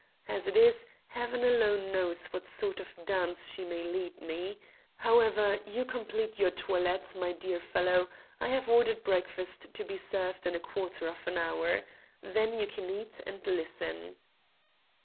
As it is, Heaven alone knows what sort of dance she may lead me. However, you complete your toilette, my dear fellow. I have ordered breakfast to be served in a quarter of an hour. Then you can eat and listen."